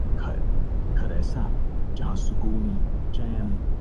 ہندوستان نے اپنی روش بدلنی ہے۔